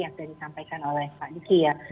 yang tadi disampaikan oleh pak diki ya